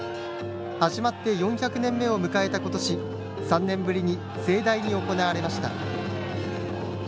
始まって４００年目を迎えた今年３年ぶりに、盛大に行われました。